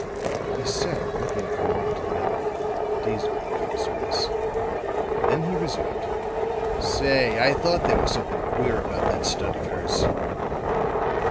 He sat looking from one to the other of them, dazedly, for a space; then he resumed: "Say, I thought there was something queer about that stunt of hers!"